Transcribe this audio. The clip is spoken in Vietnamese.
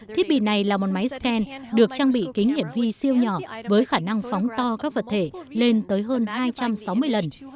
thiết bị này là một máy scan được trang bị kính hiển vi siêu nhỏ với khả năng phóng to các vật thể lên tới hơn hai trăm sáu mươi lần